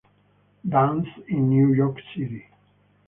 Dance, in New York City.